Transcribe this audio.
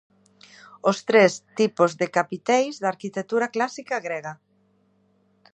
Os tres tipos de capiteis da arquitectura clásica grega.